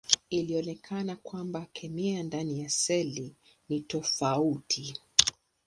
Ilionekana ya kwamba kemia ndani ya seli ni tofauti.